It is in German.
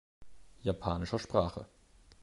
Japanischer Sprache.